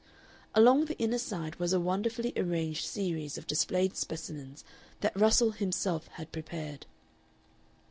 Along the inner side was a wonderfully arranged series of displayed specimens that Russell himself had prepared.